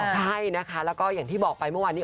ใช่นะคะแล้วก็อย่างที่บอกไปเมื่อวานนี้